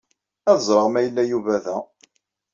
Ad ẓreɣ ma yella Yuba da.